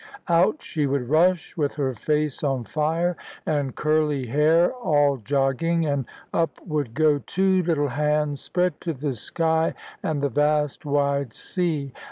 Out she would rush with her face on fire, and curly hair all jogging, and up would go two little hands, spread to the sky and the vast wide sea.